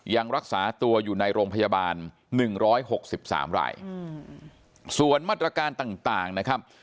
ยังรักษาตัวอยู่ในโรงพยาบาล๑๖๓รายส่วนมาตรการต่างนะครับ